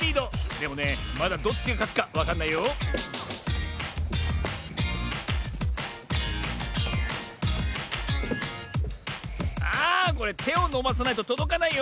でもねまだどっちがかつかわかんないよああこれてをのばさないととどかないよ。